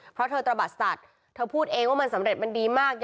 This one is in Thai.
เพราะเธอตระบัดสัตว์เธอพูดเองว่ามันสำเร็จมันดีมาก